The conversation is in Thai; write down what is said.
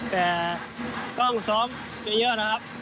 แต่ต้องซ้อมเยอะนะครับ